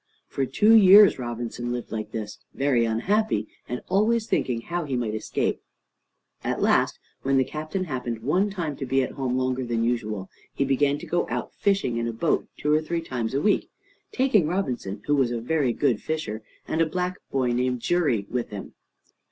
For two years Robinson lived like this, very unhappy, and always thinking how he might escape. At last, when the Captain happened one time to be at home longer than usual, he began to go out fishing in a boat two or three times a week, taking Robinson, who was a very good fisher, and a black boy named Xury, with him.